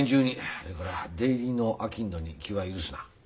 それから出入りの商人に気は許すな。